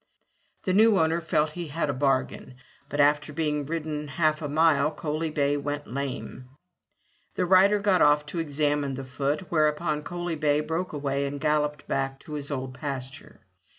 The new owner felt he had a bargain, but after being ridden half a mile Coaly bay went lame. The rider got off to examine the foot, whereupon Coaly bay broke away and galloped back to his old pasture.